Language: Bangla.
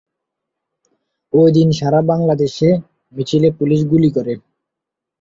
ওই দিন সারাদেশে মিছিলে পুলিশ গুলি করে।